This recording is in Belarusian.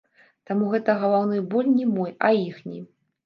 Таму гэта галаўны боль не мой, а іхні.